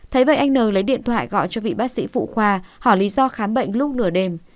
thấy vậy anh n lấy điện thoại gọi cho vị bác sĩ phụ khoa hỏi lý do khám bệnh lúc nửa đêm